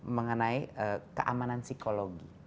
mengenai keamanan psikologi